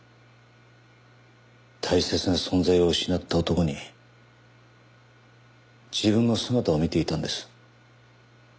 大切な存在を失った男に自分の姿を見ていたんです。